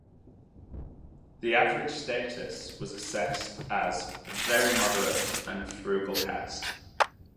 The average status was assessed as "very moderate and frugal cast".